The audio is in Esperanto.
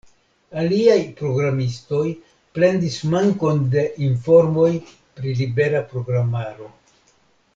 Aliaj programistoj plendis mankon de informoj pri libera programaro.